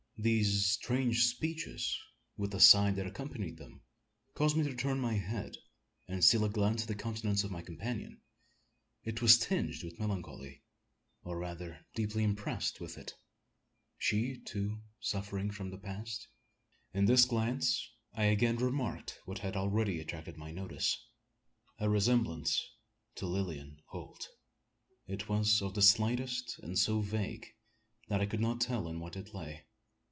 These strange speeches, with the sigh that accompanied them, caused me to turn my head, and steal a glance at the countenance of my companion. It was tinged with melancholy, or rather deeply impressed with it. She, too, suffering from the past? In this glance I again remarked what had already attracted my notice a resemblance to Lilian Holt! It was of the slightest, and so vague, that I could not tell in what it lay.